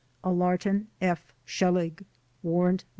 Elarton F. Shelig (Warrant No.